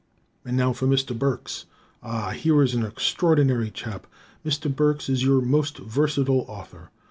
And now for Mr. Burks. Ah here is an extraordinary chap! Mr. Burks is your most versatile author.